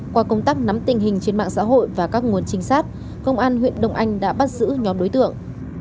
qua công tác nắm tình hình trên mạng xã hội và các nguồn trinh sát công an huyện đông anh đã bắt giữ nhóm đối tượng